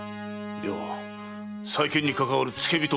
では再建にかかわる付け火と申すか？